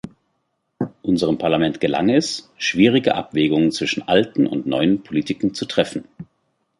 Unserem Parlament gelang es, schwierige Abwägungen zwischen alten und neuen Politiken zu treffen.